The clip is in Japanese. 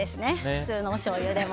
普通のおしょうゆでも。